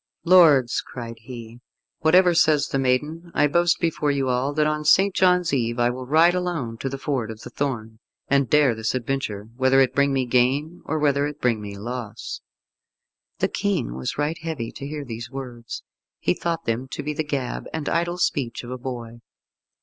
"Lords," cried he, "whatever says the maiden, I boast before you all that on St. John's Eve I will ride alone to the Ford of the Thorn, and dare this adventure, whether it bring me gain or whether it bring me loss." The King was right heavy to hear these words. He thought them to be the gab and idle speech of a boy.